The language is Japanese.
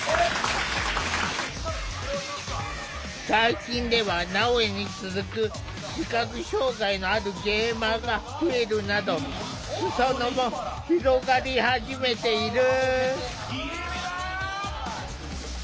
最近ではなおやに続く視覚障害のあるゲーマーが増えるなど裾野も広がり始めている。